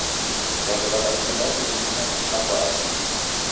Wandu wadakunda kujifunda kufuma kwa asili.